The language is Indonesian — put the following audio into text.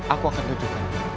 aku akan tunjukkan